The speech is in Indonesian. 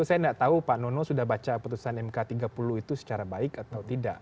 saya tidak tahu pak nono sudah baca putusan mk tiga puluh itu secara baik atau tidak